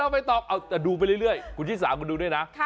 ไม่ใช่โหท้ไปออกแต่ดูไปเรื่อยคุณที่สามดูนี่นะ